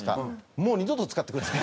もう二度と使ってくれない。